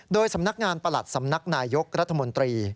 โดยสำนักงานประหลัดสำนักนายยกรัฐมนตรี